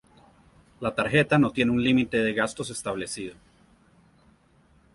La tarjeta no tiene un límite de gastos establecido.